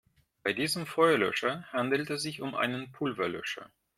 Bei diesem Feuerlöscher handelt es sich um einen Pulverlöscher.